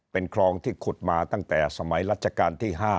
เป็นคลองที่ขุดมาตั้งแต่สมัยรัชกาลที่๕